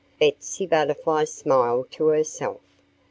Betsy Butterfly smiled to herself.